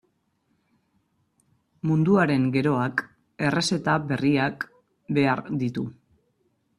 Munduaren geroak errezeta berriak behar ditu.